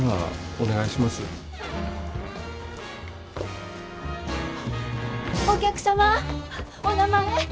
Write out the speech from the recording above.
お名前！